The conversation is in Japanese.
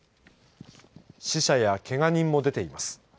死者やけが人も出ています。